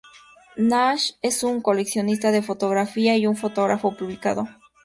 Nash es un coleccionista de fotografía y un fotógrafo publicado.